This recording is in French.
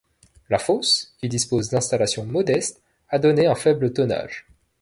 La fosse, qui dispose d'installations modestes, a donné un faible tonnage.